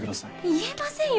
言えませんよ